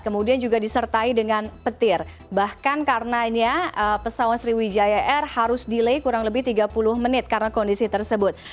kemudian juga disertai dengan petir bahkan karenanya pesawat sriwijaya air harus delay kurang lebih tiga puluh menit karena kondisi tersebut